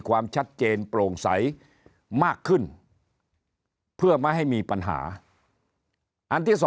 ความชัดเจนโปร่งใสมากขึ้นเพื่อไม่ให้มีปัญหาอันที่๒